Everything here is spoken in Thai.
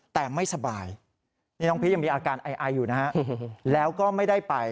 แต่ไม่สบายนี่น้องพีชยังมีอาการไออยู่นะฮะแล้วก็ไม่ได้ไป